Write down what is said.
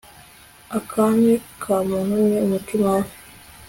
akami ka muntu ni umutima we